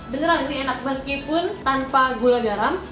beneran ini enak meskipun tanpa gula garam